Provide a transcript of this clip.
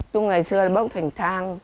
trong ngày xưa bốc thành thang